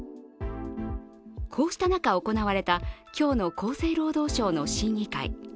こうした中、行われた今日の厚生労働省の審議会。